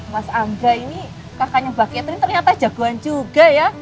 mas angga ini kakaknya mbak catering ternyata jagoan juga ya